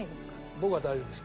僕は大丈夫です。